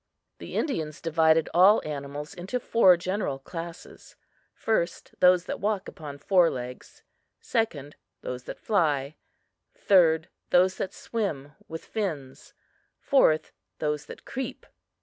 The Indians divided all animals into four general classes: 1st, those that walk upon four legs; 2nd, those that fly; 3rd, those that swim with fins; 4th, those that creep.